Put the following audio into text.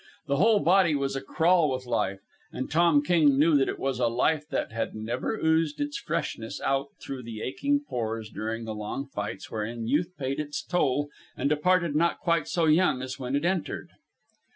The whole body was a crawl with life, and Tom King knew that it was a life that had never oozed its freshness out through the aching pores during the long fights wherein Youth paid its toll and departed not quite so young as when it entered.